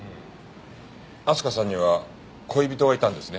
明日香さんには恋人がいたんですね。